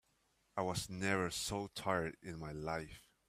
I was never so tired in my life.